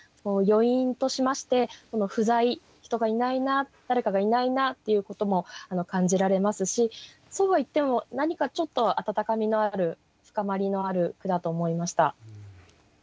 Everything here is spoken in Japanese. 余韻としまして不在人がいないな誰かがいないなっていうことも感じられますしそうは言っても何かちょっと温かみのある深まりのある句だと思いました。